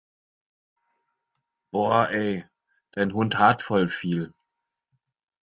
Boah ey, dein Hund haart voll viel!